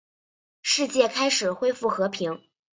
世界开始恢复和平。